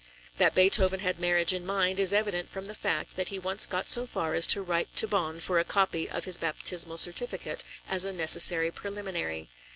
That Beethoven had marriage in mind is evident from the fact that he once got so far as to write to Bonn for a copy of his baptismal certificate as a necessary preliminary.